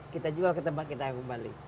kita jual ke tempat kita yang kembali